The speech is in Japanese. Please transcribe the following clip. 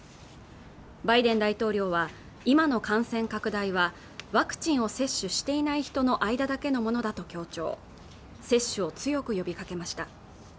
バイデン大統領は今の感染拡大はワクチンを接種していない人の間だけのものだと強調接種を強く呼びかけました